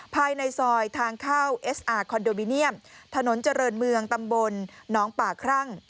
ภายในซอยทางเข้าเอสอาร์คอนโดมิเนียมถนนเจริญเมืองตำบลน้องป่าครั่ง